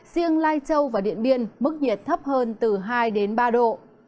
riêng lai châu và điện biên mức nhiệt thấp hơn từ hai đến ba độ